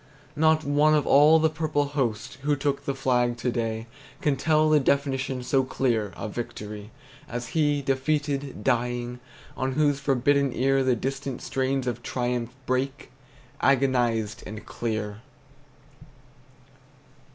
Not one of all the purple host Who took the flag to day Can tell the definition, So clear, of victory, As he, defeated, dying, On whose forbidden ear The distant strains of triumph Break, agonized and clear!